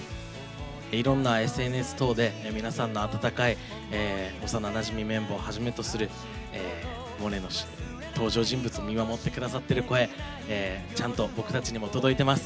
いろんなＳＮＳ等で皆さんの温かい幼なじみメンバーをはじめとする「モネ」の登場人物を見守ってくださってる声ちゃんと僕たちにも届いてます。